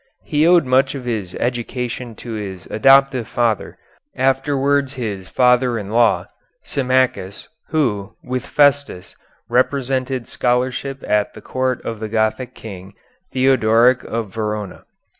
He owed much of his education to his adoptive father, afterwards his father in law, Symmachus, who, with Festus, represented scholarship at the court of the Gothic King, Theodoric of Verona.